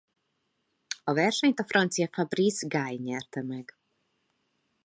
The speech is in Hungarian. A versenyt a francia Fabrice Guy nyerte meg.